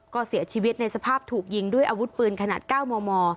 ก็เสียชีวิตในสภาพถูกยิงด้วยอาวุธปืนขนาด๙มม